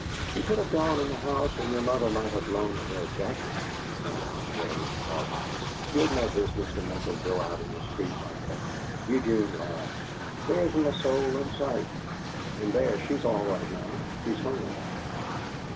"She could have gone in the house and your mother might have loaned her a jacket," returned Joe, swallowing. "You had no business to make her go out in the street like that." Eugene laughed. "There isn't a soul in sight and there, she's all right now. She's home."